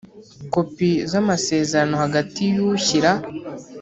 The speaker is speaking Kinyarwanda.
kopi z amasezerano hagati y ushyira